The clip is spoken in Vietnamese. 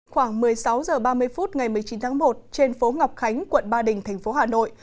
khoảng một mươi sáu h ba mươi phút ngày một mươi chín tháng một trên phố ngọc khánh quận ba đình thành phố hà nội